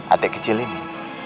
adik kecil ini